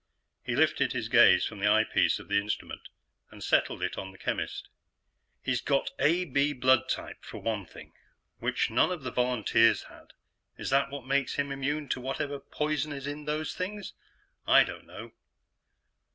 He lifted his gaze from the eyepiece of the instrument and settled in on the chemist. "He's got AB blood type, for one thing, which none of the volunteers had. Is that what makes him immune to whatever poison is in those things? I don't know.